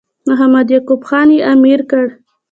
محمد یعقوب خان یې امیر کړ.